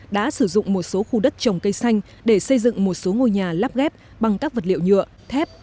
đã sử dụng một số khu đất trồng cây xanh để xây dựng một số ngôi nhà lắp ghép bằng các vật liệu nhựa thép